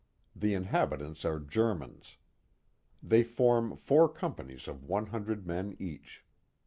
The inhabitants are Germans. They form four companies of one hundred men each.